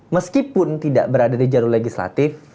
meskipun tidak berada di jalur legislatif